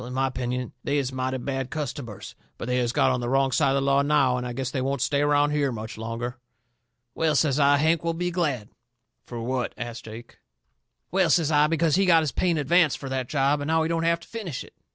"In my opinion they is mighty bad customers. But they has got on the wrong side of the law now, and I guess they won't stay around here much longer." "Well," says I, "Hank will be glad." "Fur what?" asts Jake. "Well," says I, "because he got his pay in advance fur that job and now he don't have to finish it.